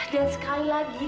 dan sekali lagi